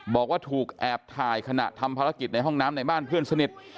บอกว่าถูกแอบถ่ายขณะทำภารกิจในห้องน้ำในบ้านเพื่อนสนิท